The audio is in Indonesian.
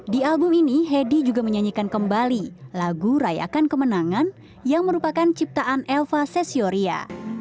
di album ini hedi juga menyanyikan kembali lagu rayakan kemenangan yang merupakan ciptaan elva cesioria